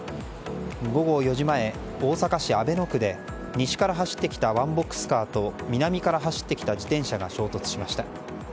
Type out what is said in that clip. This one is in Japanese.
午後４時前、大阪市阿倍野区で西から走ってきたワンボックスカーと南から走ってきた自転車が衝突しました。